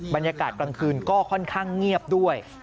บรรยากาศกลางคืนก็ค่อนข้างเงียบด้วย